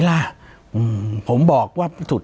ปากกับภาคภูมิ